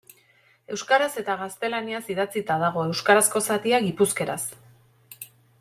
Euskaraz eta gaztelaniaz idatzita dago; euskarazko zatia, gipuzkeraz.